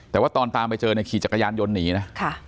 แต่ว่าตอนตามไปเจอเนี่ยขี่จักรยานยนต์หนีนะ